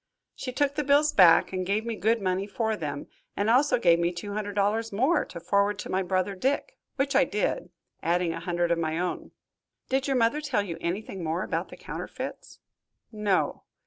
She took the bills back and gave me good money for them, and also gave me two hundred dollars more, to forward to my brother Dick, which I did, adding a hundred of my own." "Did your mother tell you anything more about the counterfeits?" "No."